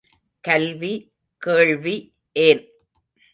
கல்வி, கேள்வி ஏன்?